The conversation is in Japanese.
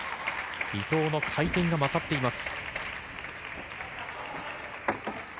伊藤の回転が勝っています。